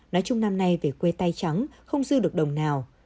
nói chung năm nay về quê tay trắng không dư được đồng nào